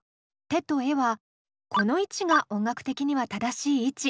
「て」と「え」はこの位置が音楽的には正しい位置。